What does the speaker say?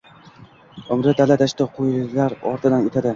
Uumri dala-dashtda qo‘ylar ortidan o‘tadi.